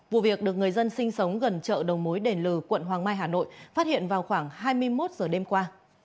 vụ việc được người dân sinh sống gần chợ đầu mối đền lừ quận hoàng mai hà nội phát hiện vào khoảng hai mươi một giờ đêm qua